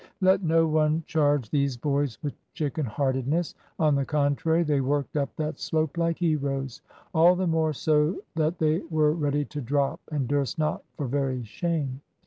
Let no one charge these boys with chicken heartedness. On the contrary, they worked up that slope like heroes; all the more so that they were ready to drop, and durst not for very shame.